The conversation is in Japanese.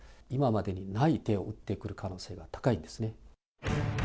今までにない手を打ってくる可能性が高いですね。